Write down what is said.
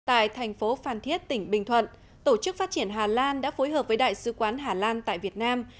tại thành phố phan thiết tỉnh bình thuận tổ chức phát triển hà lan đã phối hợp với đại sứ quán hà lan tại việt nam